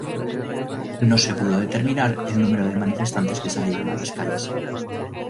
No se pudo determinar el número de manifestantes que salieron a las calles.